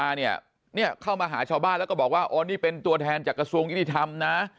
คนที่จะช่วยคุณยายน่าหรอที่คุยอยู่